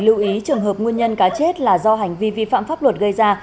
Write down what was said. lưu ý trường hợp nguyên nhân cá chết là do hành vi vi phạm pháp luật gây ra